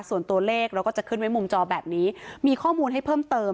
ส่วนตัวเลขเราก็จะขึ้นไว้มุมจอแบบนี้มีข้อมูลให้เพิ่มเติม